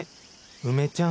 梅ちゃん